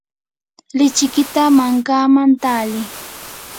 lichikita mankaman tali.